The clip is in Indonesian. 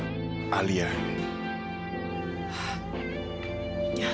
dan ga mau kita jadi nikah